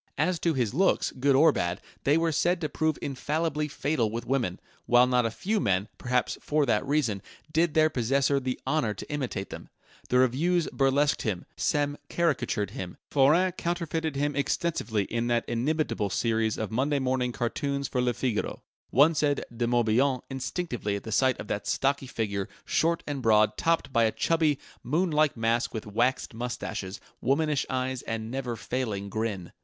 As to his looks, good or bad, they were said to prove infallibly fatal with women, while not a few men, perhaps for that reason, did their possessor the honour to imitate them. The revues burlesqued him; Sem caricatured him; Forain counterfeited him extensively in that inimitable series of Monday morning cartoons for Le Figaro: one said "De Morbihan" instinctively at sight of that stocky figure, short and broad, topped by a chubby, moon like mask with waxed moustaches, womanish eyes, and never failing grin.